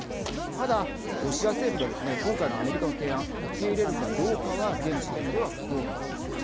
ただ、ロシア政府がですね今回のアメリカの提案受け入れるかどうかは現時点では不透明です。